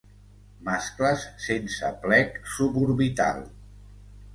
Mascles sense plec suborbital.